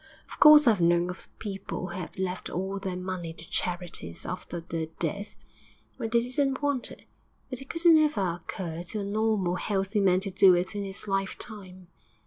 Of course I've known of people who have left all their money to charities after their death, when they didn't want it; but it couldn't ever occur to a normal, healthy man to do it in his lifetime.'